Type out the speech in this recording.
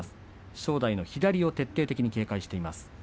正代の左を徹底的に警戒しています。